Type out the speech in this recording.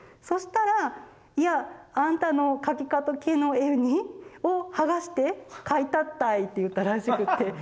そしたら「いやあんたの描きかけの絵を剥がして描いたったい」って言ったらしくて。